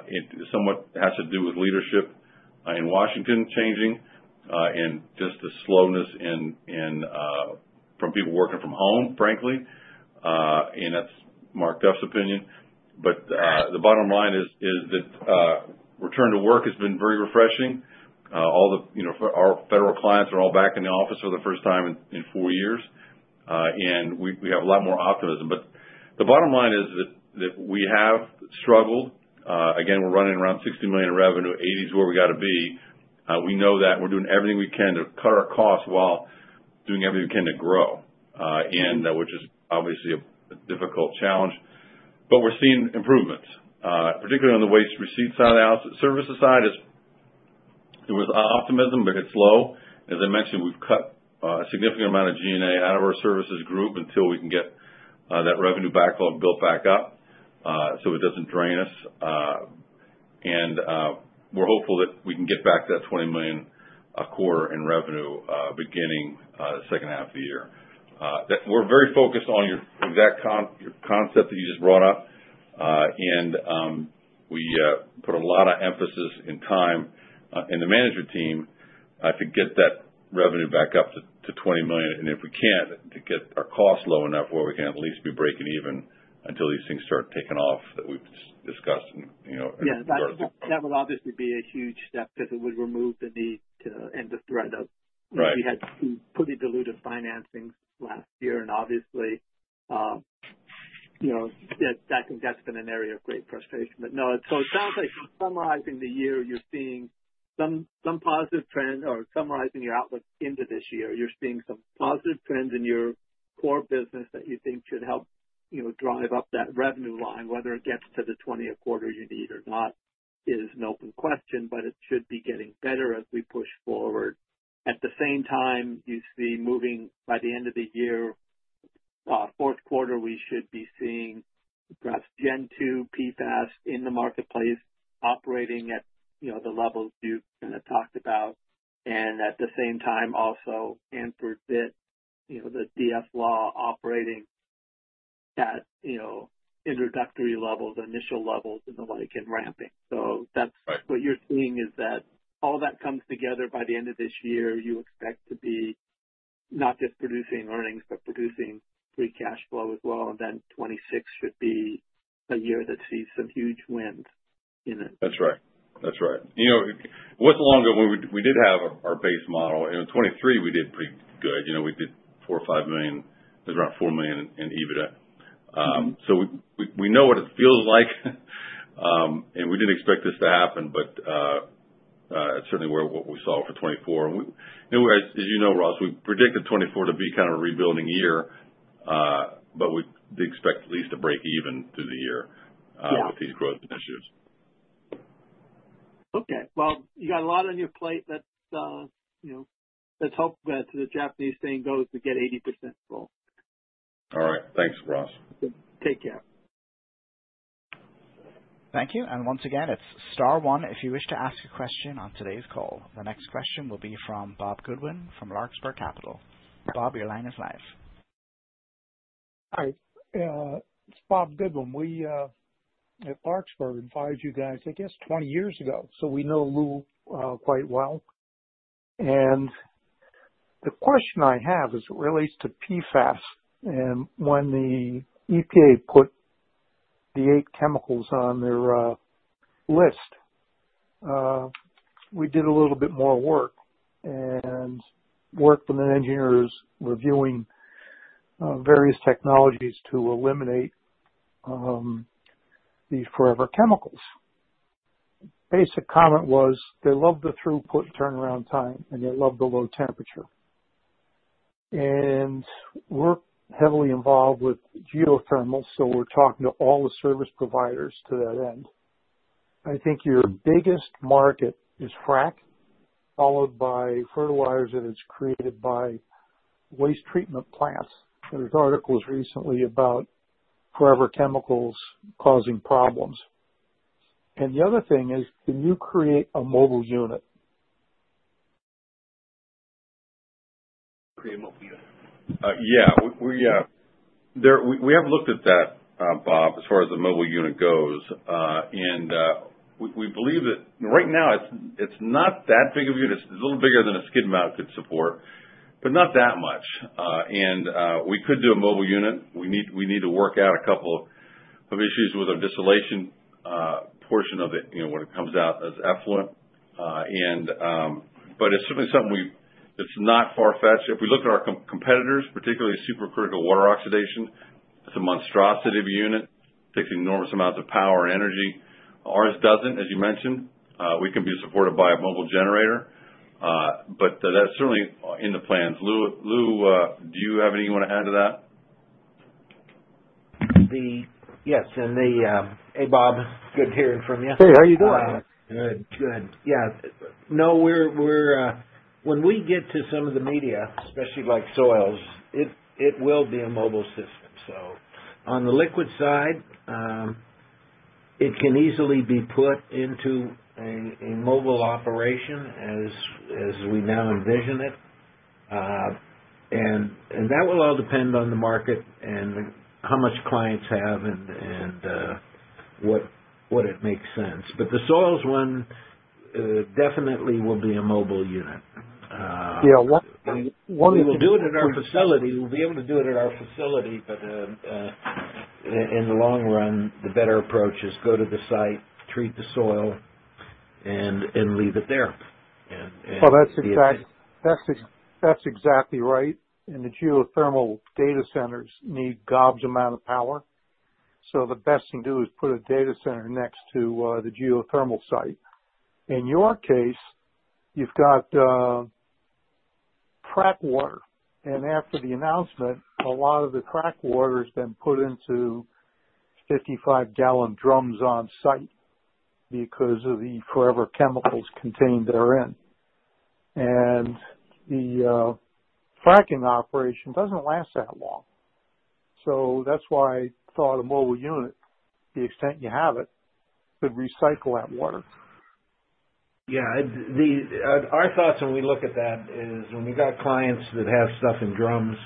It somewhat has to do with leadership in Washington changing and just the slowness from people working from home, frankly. That's Mark Duff's opinion. The bottom line is that return to work has been very refreshing. All of our federal clients are all back in the office for the first time in 4 years. We have a lot more optimism. The bottom line is that we have struggled. Again, we're running around $60 million in revenue. $80 million is where we got to be. We know that we're doing everything we can to cut our costs while doing everything we can to grow and that was just obviously a difficult challenge but we're seeing improvements, particularly on the waste receipt side of the services side. There was optimism, but it's low. As I mentioned, we've cut a significant amount of G&A out of our services group until we can get that revenue backlog built back up so it doesn't drain us. We're hopeful that we can get back to that $20 million a quarter in revenue beginning the second half of the year. We're very focused on your exact concept that you just brought up. We put a lot of emphasis and time in the management team to get that revenue back up to $20 million. If we can't, to get our costs low enough where we can at least be breaking even until these things start taking off that we've discussed and started to. Yeah. That would obviously be a huge step because it would remove the need to end the thread of we had pretty diluted financing last year. I think that's been an area of great frustration. No. It sounds like summarizing the year, you're seeing some positive trend or summarizing your outlook into this year, you're seeing some positive trends in your core business that you think should help drive up that revenue line. Whether it gets to the 20th quarter you need or not is an open question, but it should be getting better as we push forward. At the same time, you see moving by the end of the year, Q4, we should be seeing perhaps Gen 2 Perma-FAS in the marketplace operating at the levels you kind of talked about. At the same time, also Hanford, the DFLAW operating at introductory levels, initial levels, and the like in ramping. What you're seeing is that all that comes together by the end of this year, you expect to be not just producing earnings, but producing free cash flow as well then 26 should be a year that sees some huge wins in it. That's right. That's right. Along the way, we did have our base model. In 23, we did pretty good. We did $4 million or $5 million. It was around $4 million in EBITDA. We know what it feels like. We did not expect this to happen, but it is certainly what we saw for 24. As you know, Ross, we predicted 24 to be kind of a rebuilding year, but we do expect at least a break even through the year with these growth initiatives. Okay. You got a lot on your plate. Let's hope that the Japanese thing goes to get 80% full. All right. Thanks, Ross. Take care. Thank you. Once again, it is Star One if you wish to ask a question on today's call. The next question will be from Bob Goodwin from Larkspur Capital. Bob, your line is live. Hi. It's Bob Goodwin. We at Larkspur invited you guys, I guess, 20 years ago. So we know Lou quite well. The question I have as it relates to PFAS and when the EPA put the 8 chemicals on their list, we did a little bit more work and worked with the engineers reviewing various technologies to eliminate these forever chemicals. Basic comment was they loved the throughput turnaround time, and they loved the low temperature. We're heavily involved with geothermal, so we're talking to all the service providers to that end. I think your biggest market is frac, followed by fertilizers that are created by waste treatment plants. There's articles recently about forever chemicals causing problems. The other thing is, can you create a mobile unit? Yeah. We have looked at that, Bob, as far as the mobile unit goes. We believe that right now, it's not that big of a unit. It's a little bigger than a skid mount could support, but not that much. We could do a mobile unit. We need to work out a couple of issues with our distillation portion of it when it comes out as effluent. It's certainly something that's not far-fetched. If we look at our competitors, particularly supercritical water oxidation, it's a monstrosity of a unit. It takes enormous amounts of power and energy. Ours doesn't, as you mentioned. We can be supported by a mobile generator, but that's certainly in the plans. Lou, do you have anything you want to add to that? Yes. Hey, Bob. Good hearing from you. Hey, how are you doing? Good. Good. Yeah. No, when we get to some of the media, especially like soils, it will be a mobile system. On the liquid side, it can easily be put into a mobile operation as we now envision it. That will all depend on the market and how much clients have and what it makes sense. The soils one definitely will be a mobile unit. Yeah. We'll be able to do it at our facility. We'll be able to do it at our facility. In the long run, the better approach is go to the site, treat the soil, and leave it there. That's exactly right. The geothermal data centers need gobs amount of power. The best thing to do is put a data center next to the geothermal site. In your case, you've got frac water. After the announcement, a lot of the frac water has been put into 55-gallon drums on site because of the forever chemicals contained therein. The fracking operation doesn't last that long. That's why I thought a mobile unit, the extent you have it, could recycle that water. Yeah. Our thoughts when we look at that is when we've got clients that have stuff in drums,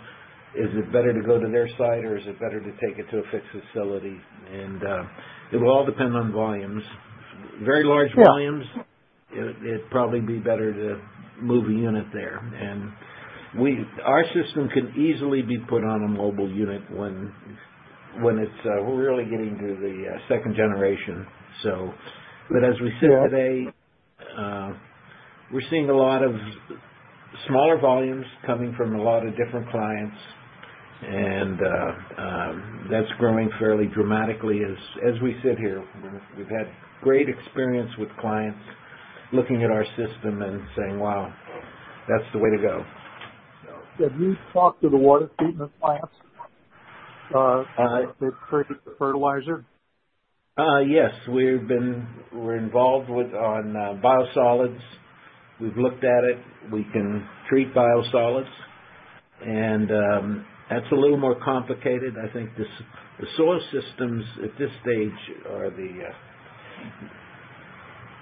is it better to go to their site or is it better to take it to a fixed facility? It will all depend on volumes. Very large volumes, it'd probably be better to move a unit there. Our system can easily be put on a mobile unit when it's really getting to the second generation. As we sit today, we're seeing a lot of smaller volumes coming from a lot of different clients. That's growing fairly dramatically as we sit here. We've had great experience with clients looking at our system and saying, "Wow, that's the way to go. Have you talked to the water treatment plants that create the fertilizer? Yes. We're involved on biosolids. We've looked at it. We can treat biosolids. That's a little more complicated. I think the soil systems at this stage are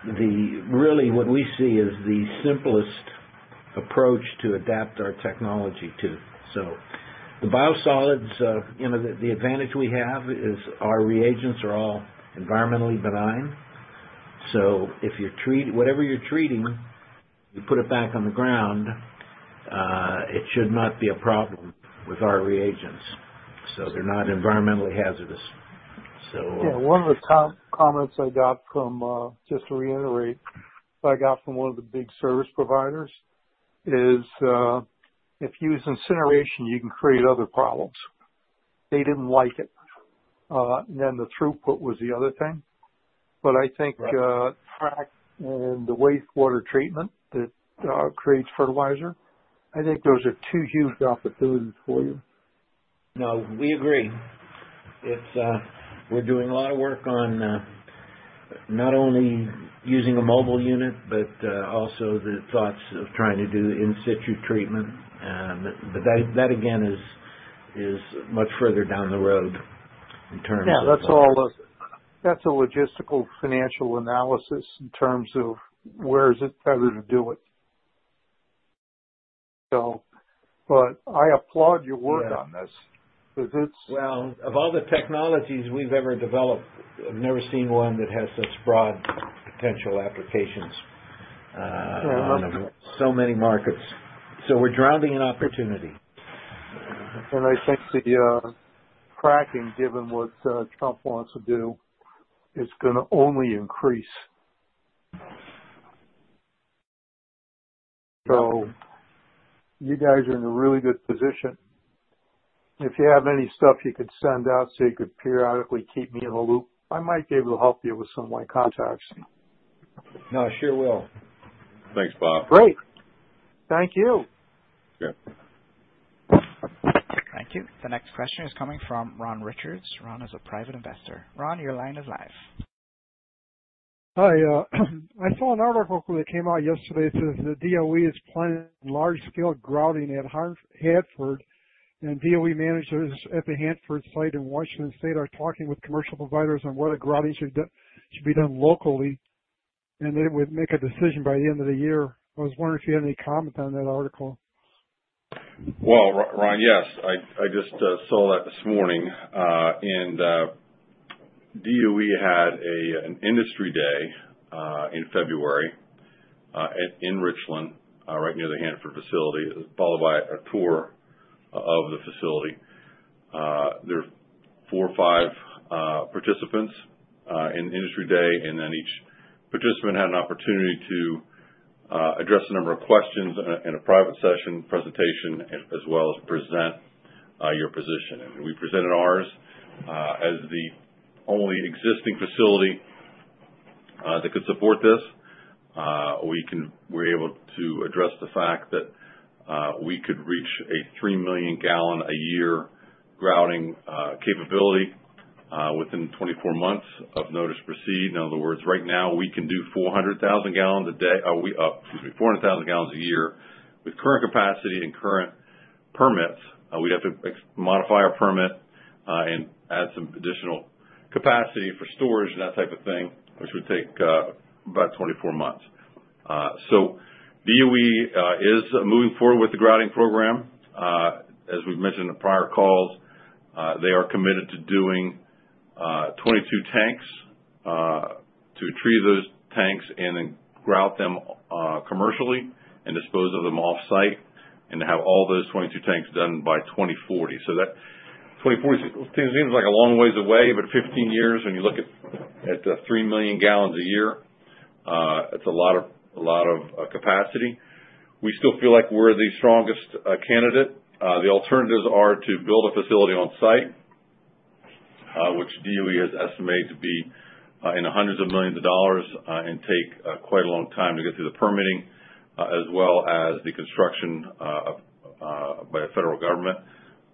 really what we see as the simplest approach to adapt our technology to. The biosolids, the advantage we have is our reagents are all environmentally benign. Whatever you're treating, you put it back on the ground, it should not be a problem with our reagents. They're not environmentally hazardous. Yeah. One of the comments I got from, just to reiterate, I got from one of the big service providers is if you use incineration, you can create other problems. They did not like it. The throughput was the other thing. I think frac and the wastewater treatment that creates fertilizer, I think those are two huge opportunities for you. No, we agree. We're doing a lot of work on not only using a mobile unit, but also the thoughts of trying to do in-situ treatment. That, again, is much further down the road in terms of. Yeah. That's a logistical financial analysis in terms of where is it better to do it. I applaud your work on this because it's. Of all the technologies we've ever developed, I've never seen one that has such broad potential applications in so many markets. We're drowning in opportunity. I think the fracking, given what Trump wants to do, is going to only increase. You guys are in a really good position. If you have any stuff you could send out so you could periodically keep me in the loop, I might be able to help you with some of my contacts. No, I sure will. Thanks, Bob. Great. Thank you. Okay. Thank you. The next question is coming from Ron Richards. Ron is a Private Investor. Ron, your line is live. Hi. I saw an article that came out yesterday says that DOE is planning large-scale grouting at Hanford. DOE managers at the Hanford site in Washington State are talking with commercial providers on whether grouting should be done locally. They would make a decision by the end of the year. I was wondering if you had any comment on that article. Ron, yes. I just saw that this morning. DOE had an industry day in February in Richland, right near the Hanford facility, followed by a tour of the facility. There were 4 or 5 participants in industry day. Each participant had an opportunity to address a number of questions in a private session presentation, as well as present your position. We presented ours as the only existing facility that could support this. We were able to address the fact that we could reach a 3 million gallon a year grouting capability within 24 months of notice received. In other words, right now, we can do 400,000 gallons a year with current capacity and current permits. We'd have to modify our permit and add some additional capacity for storage and that type of thing, which would take about 24 months. DOE is moving forward with the grouting program. As we've mentioned in prior calls, they are committed to doing 22 tanks to treat those tanks and then grout them commercially and dispose of them off-site and have all those 22 tanks done by 2040. 2040 seems like a long ways away, but 15 years, when you look at 3 million gallons a year, it's a lot of capacity. We still feel like we're the strongest candidate. The alternatives are to build a facility on-site, which DOE has estimated to be in the hundreds of millions of dollars and take quite a long time to get through the permitting, as well as the construction by the federal government.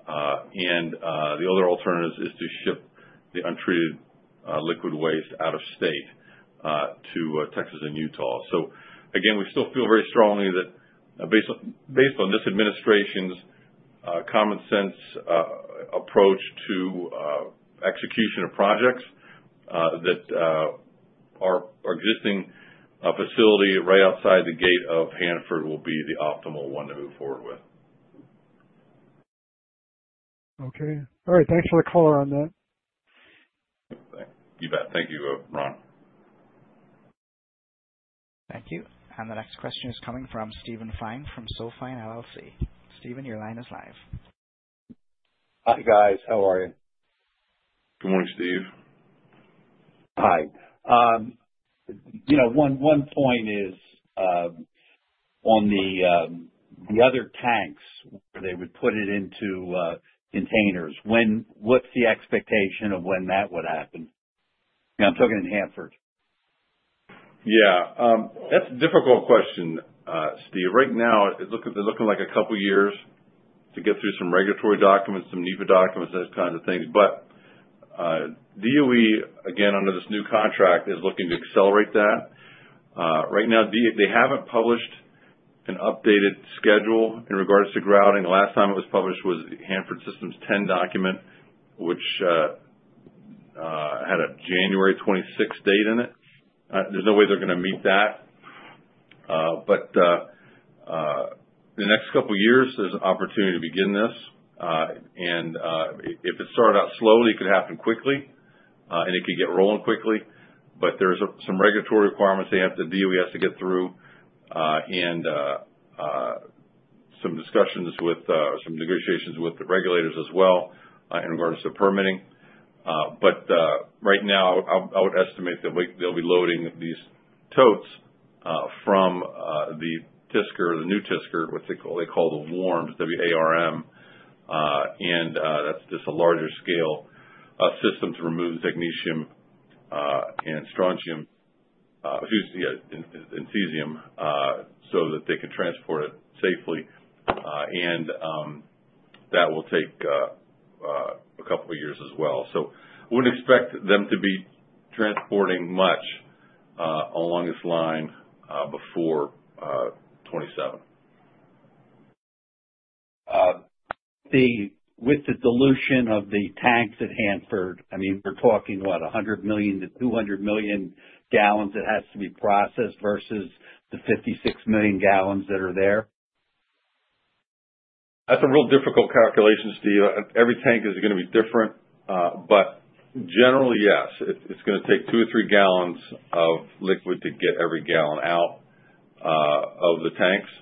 The other alternative is to ship the untreated liquid waste out of state to Texas and Utah. Again, we still feel very strongly that based on this administration's common-sense approach to execution of projects, that our existing facility right outside the gate of Hanford will be the optimal one to move forward with. Okay. All right. Thanks for the call on that. Thank you, bet. Thank you, Ron. Thank you. The next question is coming from Steven Fine from SoFine LLC. Steven, your line is live. Hi, guys. How are you? Good morning, Steve. Hi. One point is on the other tanks where they would put it into containers. What's the expectation of when that would happen? I'm talking in Hanford. Yeah. That's a difficult question, Steve. Right now, it's looking like a couple of years to get through some regulatory documents, some NEPA documents, those kinds of things. DOE, again, under this new contract, is looking to accelerate that. Right now, they haven't published an updated schedule in regard to grouting. The last time it was published was the Hanford System Plan 10 document, which had a January 26 date in it. There's no way they're going to meet that. In the next couple of years, there's an opportunity to begin this. If it started out slowly, it could happen quickly, and it could get rolling quickly. There's some regulatory requirements that DOE has to get through and some discussions with some negotiations with the regulators as well in regards to permitting. Right now, I would estimate that they'll be loading these totes from the TSCR, the new TSCR, what they call the WARM, W-A-R-M. That's just a larger scale system to remove the magnesium and strontium, excuse me, cesium, so that they can transport it safely. That will take a couple of years as well. We wouldn't expect them to be transporting much along this line before 27. With the dilution of the tanks at Hanford, I mean, we're talking what, 100 million-200 million gallons that has to be processed versus the 56 million gallons that are there? That's a real difficult calculation, Steve. Every tank is going to be different. Generally, yes. It's going to take two or three gallons of liquid to get every gallon out of the tanks.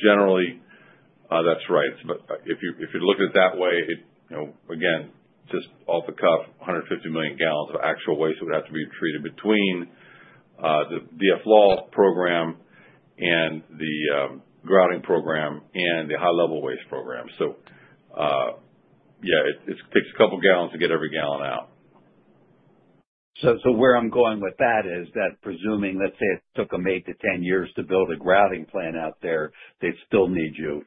Generally, that's right. If you look at it that way, again, just off the cuff, 150 million gallons of actual waste would have to be treated between the DFLAW program and the grouting program and the high-level waste program. It takes a couple of gallons to get every gallon out. Where I'm going with that is that presuming, let's say, it took them 8-10 years to build a grouting plant out there, they'd still need you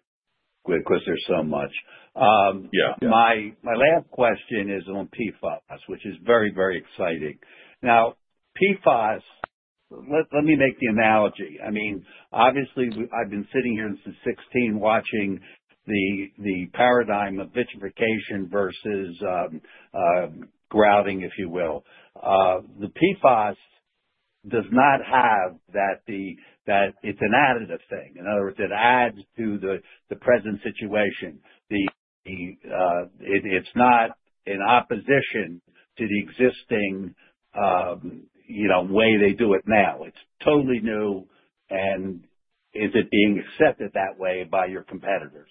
because there's so much. My last question is on PFAS, which is very, very exciting. Now, PFAS, let me make the analogy. I mean, obviously, I've been sitting here since 16 watching the paradigm of vitrification versus grouting, if you will. The PFAS does not have that, it's an additive thing. In other words, it adds to the present situation. It's not in opposition to the existing way they do it now. It's totally new and is it being accepted that way by your competitors?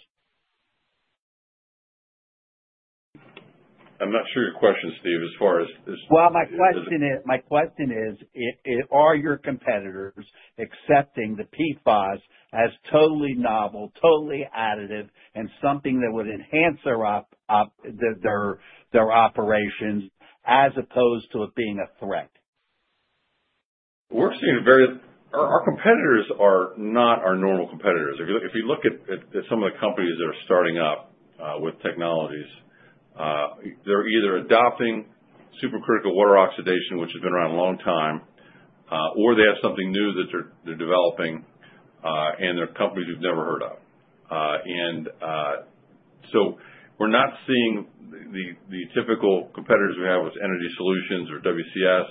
I'm not sure your question, Steve, as far as. My question is, are your competitors accepting the PFAS as totally novel, totally additive, and something that would enhance their operations as opposed to it being a threat? We're seeing a very our competitors are not our normal competitors. If you look at some of the companies that are starting up with technologies, they're either adopting supercritical water oxidation, which has been around a long time, or they have something new that they're developing, and they're companies you've never heard of. We're not seeing the typical competitors we have with EnergySolutions or WCS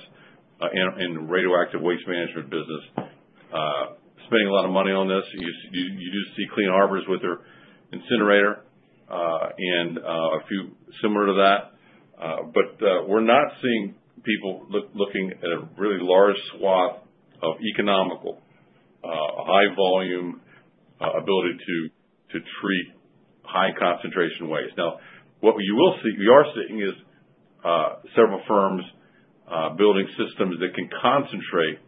in the radioactive waste management business spending a lot of money on this. You do see Clean Harbors with their incinerator and a few similar to that. We're not seeing people looking at a really large swath of economical, high-volume ability to treat high-concentration waste. Now, what you will see we are seeing is several firms building systems that can concentrate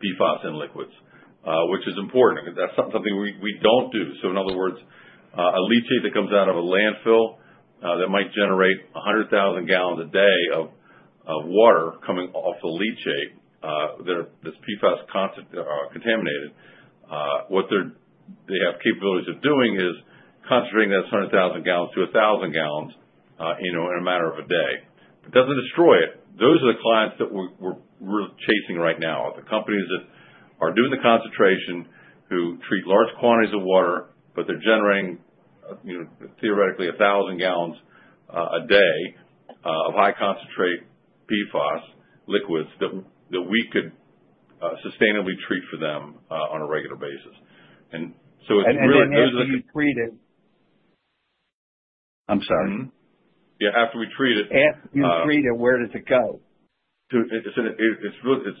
PFAS in liquids, which is important. That's something we don't do. In other words, a leachate that comes out of a landfill that might generate 100,000 gallons a day of water coming off the leachate that's PFAS contaminated, what they have capabilities of doing is concentrating those 100,000 gallons-1,000 gallons in a matter of a day. It doesn't destroy it. Those are the clients that we're chasing right now, the companies that are doing the concentration, who treat large quantities of water, but they're generating theoretically 1,000 gallons a day of high-concentrate PFAS liquids that we could sustainably treat for them on a regular basis. It's really. After you treat it? I'm sorry. Yeah. After we treat it. After you treat it, where does it go? It's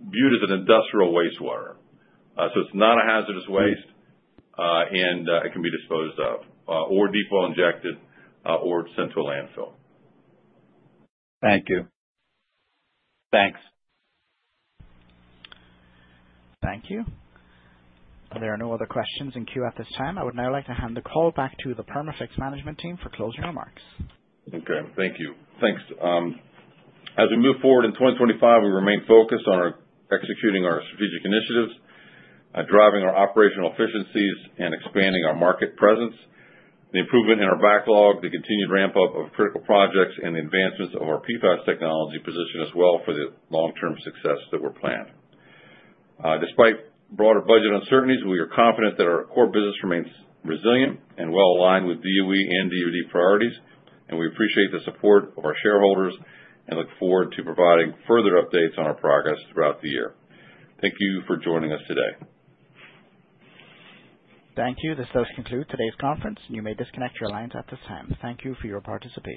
viewed as an industrial wastewater. It is not a hazardous waste, and it can be disposed of or deep well injected or sent to a landfill. Thank you. Thanks. Thank you. There are no other questions in queue at this time. I would now like to hand the call back to the Perma-Fix management team for closing remarks. Okay. Thank you. Thanks. As we move forward in 2025, we remain focused on executing our strategic initiatives, driving our operational efficiencies, and expanding our market presence. The improvement in our backlog, the continued ramp-up of critical projects, and the advancements of our PFAS technology position us well for the long-term success that we have planned. Despite broader budget uncertainties, we are confident that our core business remains resilient and well-aligned with DOE and DOD priorities. We appreciate the support of our shareholders and look forward to providing further updates on our progress throughout the year. Thank you for joining us today. Thank you. This does conclude today's conference, you may disconnect your lines at this time. Thank you for your participation.